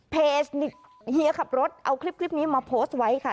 เพจเฮียขับรถเอาคลิปนี้มาโพสต์ไว้ค่ะ